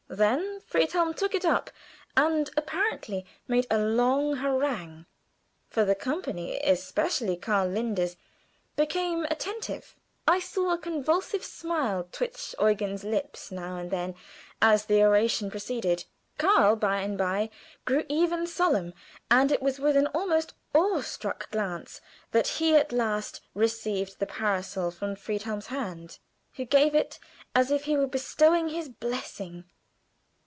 Then Friedhelm took it up, and apparently made a long harangue, for the company especially Karl Linders became attentive. I saw a convulsive smile twitch Eugen's lips now and then, as the oration proceeded. Karl by and by grew even solemn, and it was with an almost awe struck glance that he at last received the parcel from Friedhelm's hands, who gave it as if he were bestowing his blessing.